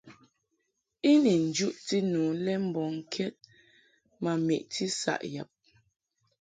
I ni njuʼti nu le mbɔŋkɛd ma meʼti saʼ yab.